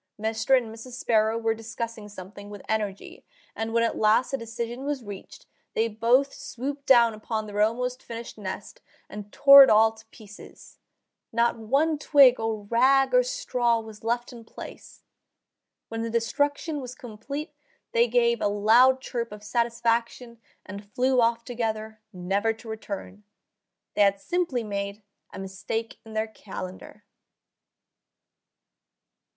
Mr. and Mrs. Sparrow were discussing something with energy, and when at last a decision was reached they both swooped down upon their almost finished nest and tore it all to pieces. Not one twig or rag or straw was left in place. When the destruction was complete they gave a loud chirp of satisfaction and flew off together, never to return. They had simply made a mistake in their calendar.